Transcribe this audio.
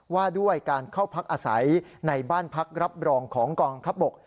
ว่าด้วยการเข้าพักอาศัยในบ้านพักรับรองของกองทัพบก